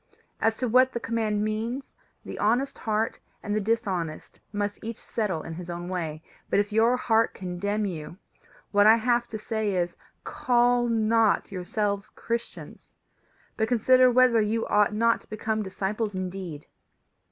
As to what the command means, the honest heart and the dishonest must each settle in his own way; but if your heart condemn you, what I have to say is, Call not yourselves Christians, but consider whether you ought not to become disciples indeed.